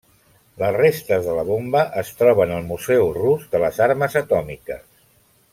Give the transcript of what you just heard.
Les restes de la bomba es troben al museu rus de les armes atòmiques.